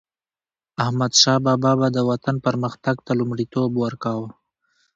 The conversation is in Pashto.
احمدشاه بابا به د وطن پرمختګ ته لومړیتوب ورکاوه.